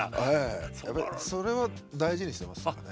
それは大事にしてますかね。